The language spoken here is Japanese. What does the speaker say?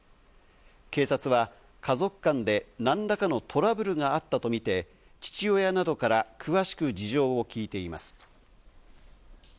警察は家族間で何らかのトラブルがあったとみて父親などから詳しく事情を聞いています。